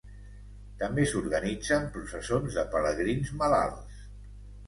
També s'organitzen processons de pelegrins malalts.